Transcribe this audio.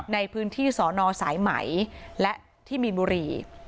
ในพื้นที่สอนอสายไหมและที่มีนบุรี